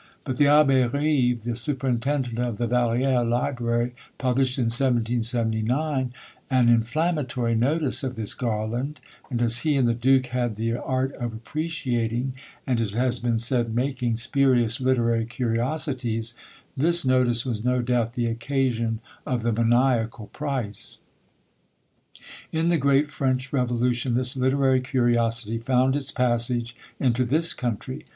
But the Abbé Rive, the superintendent of the Vallière library, published in 1779 an inflammatory notice of this garland; and as he and the duke had the art of appreciating, and it has been said making spurious literary curiosities, this notice was no doubt the occasion of the maniacal price. In the great French Revolution, this literary curiosity found its passage into this country.